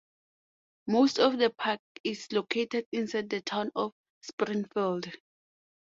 Most of the park is located inside the Town of Springfield.